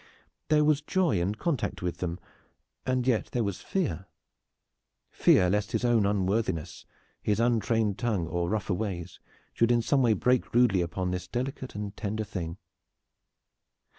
There was joy in contact with them; and yet there was fear, fear lest his own unworthiness, his untrained tongue or rougher ways should in some way break rudely upon this delicate and tender thing.